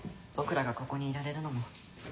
僕らがここにいられるのも。